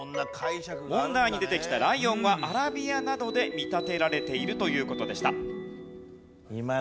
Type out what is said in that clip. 問題に出てきたライオンはアラビアなどで見立てられているという事でした。